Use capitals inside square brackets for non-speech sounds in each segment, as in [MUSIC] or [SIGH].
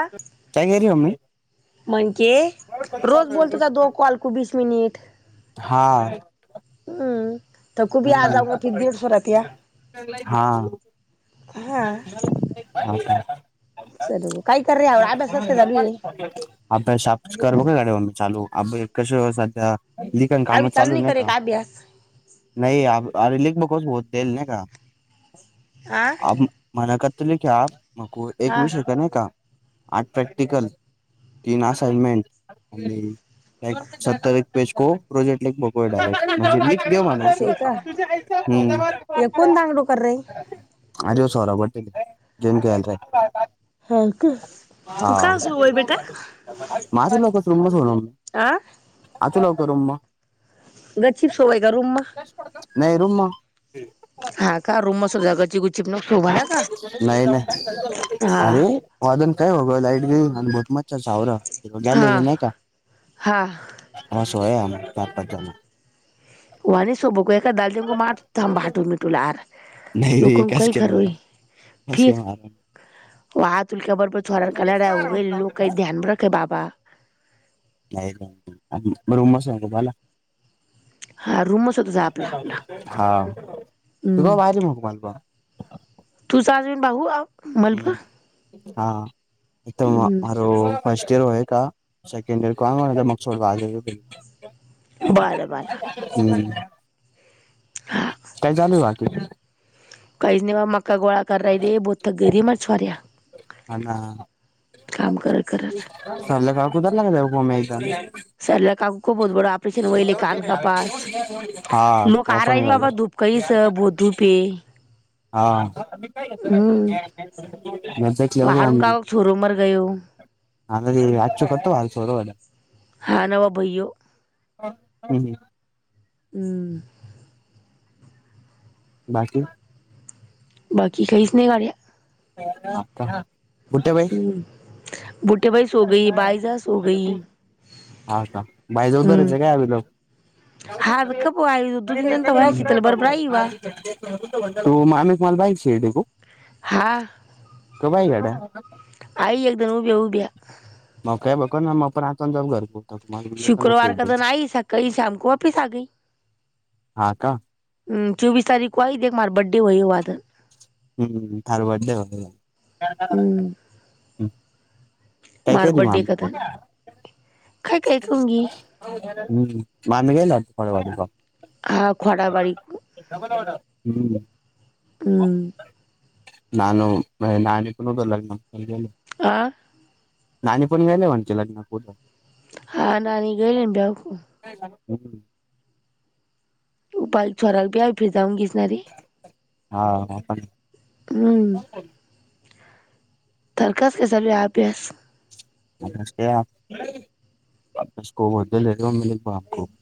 [INAUDIBLE] काय करी मम्मी? म्हणके रोज बोलतोहोता दो कॉल को वीस मिनिटं. हां. हं तर खुबी आजऊंगा फि देडेड सो रहतियें. [INAUDIBLE] हां. [INAUDIBLE] हाँ चलो काय कर रहे हो अभ्यास कस काय चालू आहे आभ्यास आपचं करलोगे अरे मम्मी चालू अब्ई कशे होवू शकाते? लिखन काम अभी चालू नाही नायी करे का अभ्यास नायी अब अरे लिख बहोत टेहेलनेका. आं. मना करतै लके आप मारको एक हा विषय नैका आठ प्रॅक्टिकल. तीन असाइनमेंट आणिएक सत्तर एक पेज को प्रोजेक्ट ला एक बठ असे आहे का [INAUDIBLE] म्हणजे हे कोण दांगडो कर रही [INAUDIBLE] अजे सवरा बट गेम खेळायच. हा का तू का सोय बेटा हां मादरलोकच तुंबच हों. आं. आचु लवकरहुमं गचिप सो वय का रूम मा? नायी रुमा. हा का रुमस जगाची गु नायी नायी हा अरे. ओ अजून काय होगं लाईट गेली आणिभोहत मचर चावरा हा नाही का. हा वह सोया हम चार पाचजण. व नाही सो भोकयाका दादीको मारताबं भाटू मिटूला आर लोकोनं काही तेवारा खरोई महारा सेम महारा. व अतुल के बरबर छोरांका लड्या वो वय लोकं ध्यान मे रखे बाबा. नाही [INAUDIBLE] म रुम सग बाला. होता जा आपला आपला हां हम्म तुका बाहिरची [INAUDIBLE] तुझा अजून भाहू आव. हुं हां इथव हम्म मरों. फर्स्ट इयर होय का सेकंड इयर को गाव आने का म म चोडको आजा [INAUDIBLE] बारं बाला. हुं. हा... काय चालुये बाकी काहीच नाही बाबा मक्का गोळा करु राहिले बो थक गेरी रे मा छोर्या हला करत करत सल्लं का कुद लाग जा म- सरला का खुपच बडा- ऑपरेशन वईले कन का पास हा लोक आ रा वापर नयी ना झालं बाबा धूप काहीस बोत धूप ये- हा.... हम्म वो आरूण मम्मी कावक छोरो मर गयो- आरे आचो कतो वाई छोरो ये ना- हा ना वा भैयो- हं हम्म.... हम्म.. बाकी- बाकी काहीच नाही गा्या- [INAUDIBLE] बाई हम्म गुडीबाई सो गयी बाईजा सो गयी- हा का बाई जाऊ दरायचं काय अभि- [UNINTELLIGIBLE] हा कप आई दू तीन दिन तर व्हाया शीतल बरोबर आई वा तो मामेक मला बाईक छेडुक- हा... कवाय गड्या आई एकदम उभ्या उभ्या - मग काय बघ ना मग पण आतून ज घर- पोहतो मला पण ना शुक्रवार का शेड दीन आइ सकाई शामकू वापिस आगयी हा का ह्म्म चोवीस तारीख को आयि देख मार बड्डे व्हय वाद- हम्म थार बड्डे होतो ना- हम्म, काय मार काय दि म आम बर्थडे का दिन काय काय कहूंगी हम्म मामी गेल्या होत फळेवडी प हा खोडाबाली हम्म हम्म, नाय नाय ओ नाकण तर लग्नजे अं नाणी पण गेल्या म्हणजे लग्ना को हा नानी गेली ना ब्यव कु- हम्म हम्म... उपालछोराला प्या फिर जाऊन घेसणारी हा पण हम्म.... तर कसा चालुये अभ्यास सकोद म [INAUDIBLE]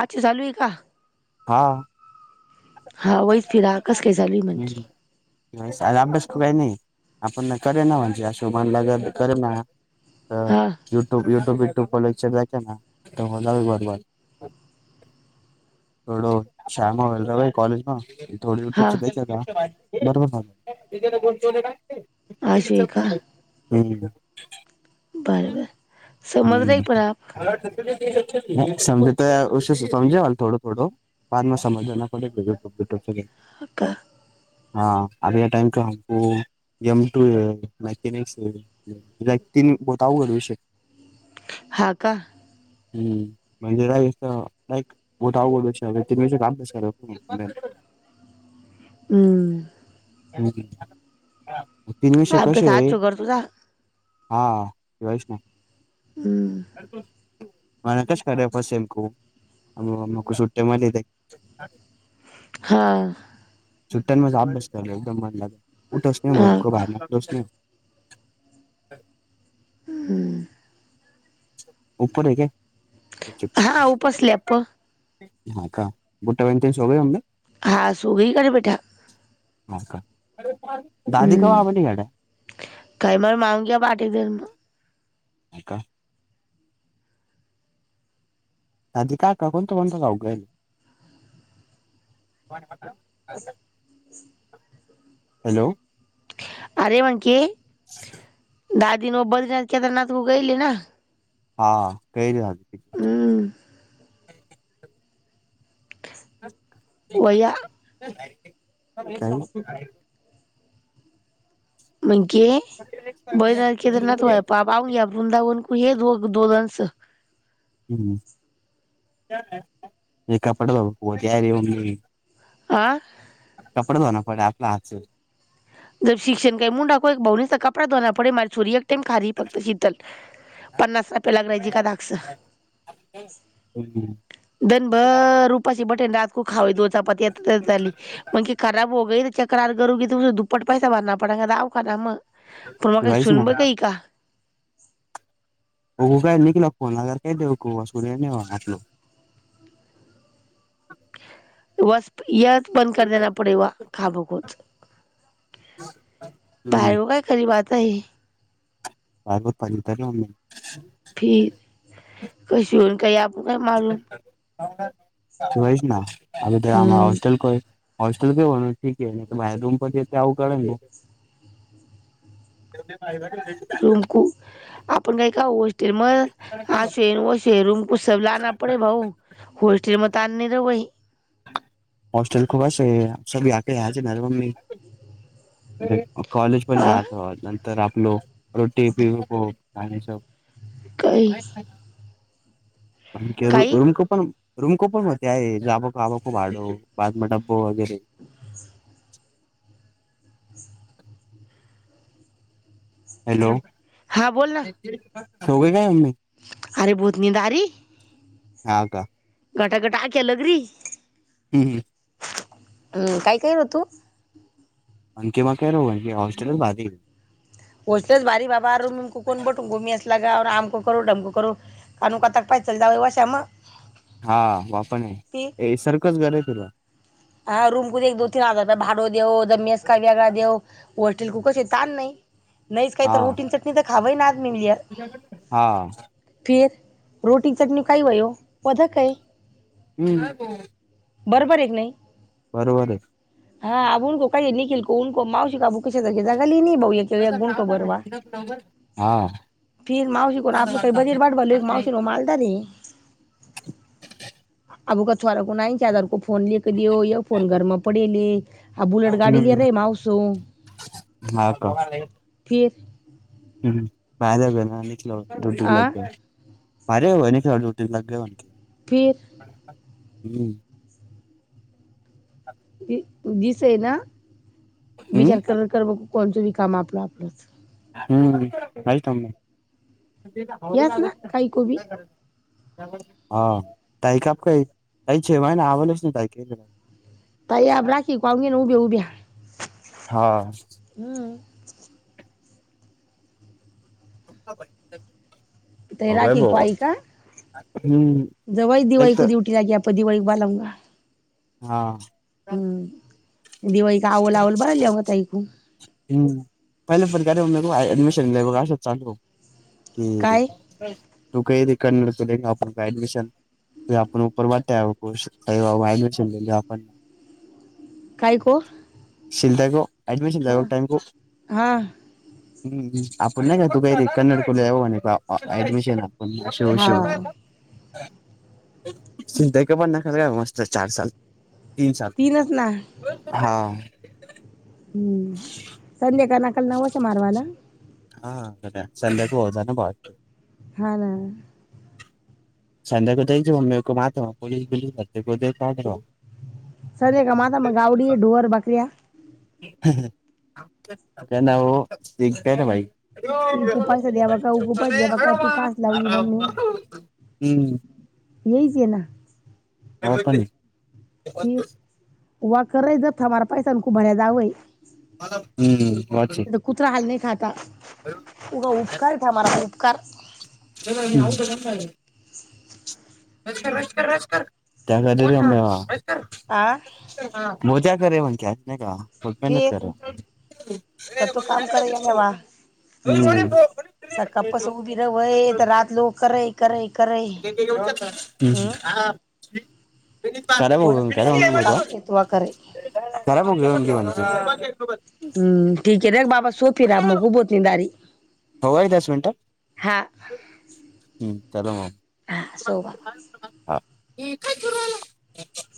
अच्छा चालू हे का- हा.... हा वईस फिलहाल कसंले चालुये मन की- है साल अभ्यास कू काही नाही आपण करे ना म्हणजे शोभन लाग करे ना तर हा य यट्यूब यट्यूब क ना बार बर [UNINTELLIGIBLE] कॉलेज. हां. थोडं हा युट्यूबच द्यायच का? नेटवर्क आलं. अशी आहे का बरं बर [UNINTELLIGIBLE] समझ रही हम्म. पर आप [UNINTELLIGIBLE] [UNINTELLIGIBLE] ह का? [UNINTELLIGIBLE] लाईक तीन बहोत अवघड विषय - हा का? हं. म्हणजे लाईक च लाईक मोठा अवघड विषय ए. कुणी ह्याचा अभ्यास करत नाही. [UNINTELLIGIBLE] हम्म. तीन विषय अभ्यास आज कसेय? शुगर तुझा हा. [UNINTELLIGIBLE] हम्म. [UNINTELLIGIBLE] हा. सुट्ट्यानमधे अभ्यास कर. एकदम मन हा लागल. [UNINTELLIGIBLE] हम्म. का हा उपस लॅप [UNINTELLIGIBLE] हा का? बुट्ट्या भाई न ते सो गये होंगे? हा. सो गई [UNINTELLIGIBLE] बेटा. हा का. दादी हम्म [UNINTELLIGIBLE] [UNINTELLIGIBLE] हे का? [UNINTELLIGIBLE] हॅलो. अरे [UNINTELLIGIBLE] [INAUDIBLE] दादी न वो बद्रीनाथ केदारनाथ वो गयेल ए ना? हा [UNINTELLIGIBLE] हम्म. [UNINTELLIGIBLE] वया- [UNINTELLIGIBLE] म्हणजे - [INAUDIBLE] [UNINTELLIGIBLE] [UNINTELLIGIBLE] आं? कपडे धोन पडे अपने हाथ स. [UNINTELLIGIBLE] [UNINTELLIGIBLE] हम्म ह. दिवसभर उपाशी बैठे रातको खावे दो चपाती [UNINTELLIGIBLE] मैं की खराब हो गई तो तक्रार [UNINTELLIGIBLE] दुप्पट पैसा भरणा पडेगा दवाखानाम तुला काय वहीच सुन ना पडिका [UNINTELLIGIBLE] बघु काय निखिल चा फोन आला नाही [UNINTELLIGIBLE] याद पण कर देणा पडेगा खाव को [UNINTELLIGIBLE] हम्म बाहेर काय खरीबात आहे. [UNINTELLIGIBLE] तर ना मम्मी. फिर कशुर कायी आप. व्होचना हमी तो या हम्म हॅस्टेल को है. हॅटेल पर होणा ठीक आहे नहीतो बाहेर रूम पर कितने [UNINTELLIGIBLE] तुम्ही पहिला का नाही? रूमकू आपण काही का हॅस्टेल म हा शे व शेरूम [UNINTELLIGIBLE] उस लाना पड भाऊ हॉस्टेल म त आणने रव [UNINTELLIGIBLE] होॉस्टेल खूप स आक म मममी [UNINTELLIGIBLE] कॉलेज पण आ या नंतर आपल रोटी पिऊ आणिणी स काही [UNINTELLIGIBLE] होच [UNINTELLIGIBLE] [INAUDIBLE] काही रूमकपण रूमकपन मध्ये आहे जा ब [UNINTELLIGIBLE] आबा खूप आडो बाद म ड्बो वगैरे [UNINTELLIGIBLE] हम् [INAUDIBLE] हॅलो. हां बोल ना. सो गयी काय अम्मी? अरे भोत नीद आरही. हा का. घटा, घटा आ केया लगरी [UNINTELLIGIBLE] हम्म, हम्म. हम्म काय, काय हो तु? आणखि मग काय र आणखी हॉस्टेलच बाधी [UNINTELLIGIBLE] पोतेचारी बाबा र कोण बटून गमी अस [UNINTELLIGIBLE] लागामक करू डमक करू का कोता पायचल जा वाशा म [UNINTELLIGIBLE] हा बा पण आहे सर्खंच गर आहे तुला [UNINTELLIGIBLE] हा रूम कु एक दोन तीन हजार रुपये भाडं देऊ द मेस का वेगळा देऊ होॉस्टेल कू कस आहे तान नाही [UNINTELLIGIBLE] नाहीच काही हा तर रोटी चटणी तर खावां ना आज मिली [UNINTELLIGIBLE] हा. फिर रोटी चटणी खय वय का आहे [UNINTELLIGIBLE] हम्म. बरोबर हे की नही? बरोबर आहे. हा अको काही निखिल कोको मावसशी का अू कसेगे जागाली भाऊ [UNINTELLIGIBLE] बरवा हा. फिर मावशी को आपलं काही बजेट बाट बल मावशी को मालत र [UNINTELLIGIBLE] अबो का छोर को नाय चदार को फोन लक दि होय फोन घर म [UNINTELLIGIBLE] आ बुलेट गाडी लिय हम्म रम आवसो हा का फर [UNINTELLIGIBLE] हम्म, हम्म बाहेवे ना निकलो रुटी आ लाग [UNINTELLIGIBLE] भारी होया नाही क्या दो तीन लाख [UNINTELLIGIBLE] फिर! हूं! [INAUDIBLE] दि-दिसय ना हम्म विचार कर कर बघ कोणचंबी काम आपलं आपलंच. हूं याच ना काही कोबी [UNINTELLIGIBLE] [UNINTELLIGIBLE] ताई आब राखी को अयूंगी नं उभ्य-उभ्या हा हूं! [UNINTELLIGIBLE] ताई राखी बो को आई का, हम्म जवई दिवाळी देख को दयूटी लागी आप [UNINTELLIGIBLE] हा! हूं दिवाळी का आवल, आवल बल्याल लेवा ताईकू. [UNINTELLIGIBLE] काय [UNINTELLIGIBLE] [UNINTELLIGIBLE] काय को! हा हा [UNINTELLIGIBLE] [UNINTELLIGIBLE] [UNINTELLIGIBLE] हा चार साल, तीन साल तीनच ना हा! संधी के नाकल नवस ये म्हारवाला. हा प्रत्या संध्याच होवोच ना बाळ! हा ना! [UNINTELLIGIBLE] सधी हे का माझ मग गावडी, ढोर, बक-या. [UNINTELLIGIBLE] उपास द्यावा का उपास द्यावा का तू कास लावली मम्मी [UNINTELLIGIBLE] यईच ये ना! हवा पाणी! [UNINTELLIGIBLE] तर [UNINTELLIGIBLE] कुत्रा हाल नही खाता, उग उपकार था हमारा उपकार. [UNINTELLIGIBLE] [UNINTELLIGIBLE] आ! हा मोजा करे म्हणक्यात नही फिर का! कतो काम करे या [UNINTELLIGIBLE] वा सकाळपासून उभी रय वय तर रात लू करय. करई, करई. [UNINTELLIGIBLE] कोणच नाही करे तू काम येतो वा करे [UNINTELLIGIBLE] हूं ठीक हे रख बाबा सो फिर, अब मोकू भोत निंद आरी. हो गये दस मिनट हा सो [UNINTELLIGIBLE] बाबा हा ए काय करू राहिला?